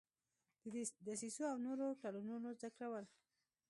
د دې دسیسو او نورو تړونونو ذکرول.